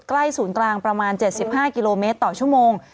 ศูนย์กลางประมาณ๗๕กิโลเมตรต่อชั่วโมง